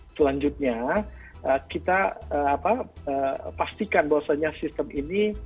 selanjutnya kita pastikan bahwasannya sistem ini